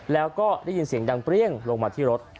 แล้วก็ได้ยินเสียงดังเปรี้ยงลงมาที่รถ